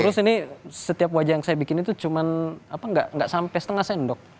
terus ini setiap wajah yang saya bikin itu cuma nggak sampai setengah sendok